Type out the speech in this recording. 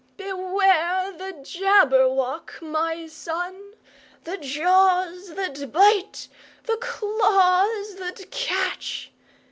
"Beware the Jabberwock, my son! The jaws that bite, the claws that catch!